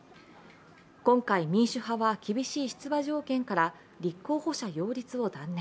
今回、民主派は厳しい出馬条件から立候補者擁立を断念。